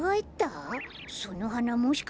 そのはなもしかしてわか蘭？